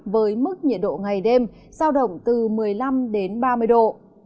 với mức nhiệt độ ngày đêm giao động từ một mươi năm đến ba mươi độ